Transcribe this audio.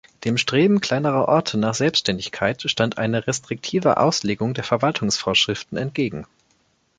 Dem Streben kleinerer Orte nach Selbständigkeit stand eine restriktive Auslegung der Verwaltungsvorschriften entgegen.